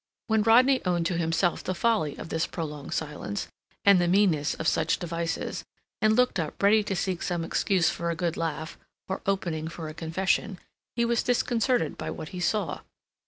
When Rodney owned to himself the folly of this prolonged silence, and the meanness of such devices, and looked up ready to seek some excuse for a good laugh, or opening for a confession, he was disconcerted by what he saw.